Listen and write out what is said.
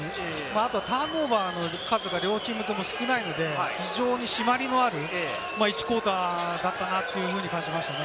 あとはターンオーバーの数が両チームとも少ないので、非常に締まりのある１クオーターだったなというふうに感じましたね。